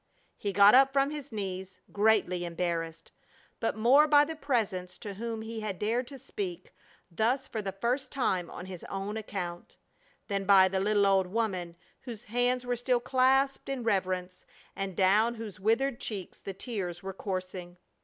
He got up from his knees greatly embarrassed; but more by the Presence to whom he had dared to speak thus for the first time on his own account, than by the little old woman, whose hands were still clasped in reverence, and down whose withered cheeks the tears were coursing.